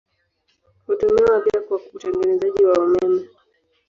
Hutumiwa pia kwa utengenezaji wa umeme.